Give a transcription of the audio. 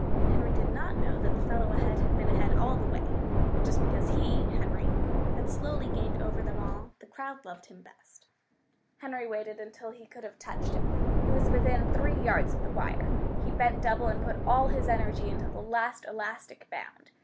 Henry did not know that the fellow ahead had been ahead all the way, and just because he Henry had slowly gained over them all, the crowd loved him best. Henry waited until he could have touched him. He was within three yards of the wire. He bent double, and put all his energy into the last elastic bound.